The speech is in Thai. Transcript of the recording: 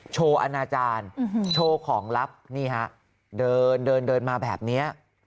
โชว์อาณาจารย์โชว์ของลับนี่ฮะเดินมาแบบนี้